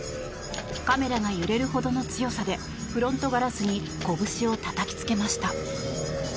カメラが揺れるほどの強さでフロントガラスにこぶしをたたきつけました。